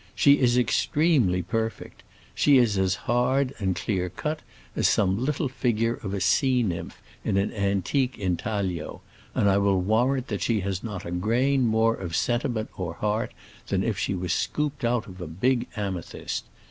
She is extremely perfect; she is as hard and clear cut as some little figure of a sea nymph in an antique intaglio, and I will warrant that she has not a grain more of sentiment or heart than if she was scooped out of a big amethyst.